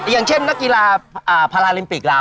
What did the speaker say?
อย่างเช่นนักกีฬาพาราลิมปิกลาว